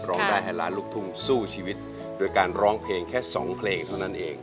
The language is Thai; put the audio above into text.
ร้องได้ให้ล้านลูกทุ่งสู้ชีวิตโดยการร้องเพลงแค่สองเพลงเท่านั้นเอง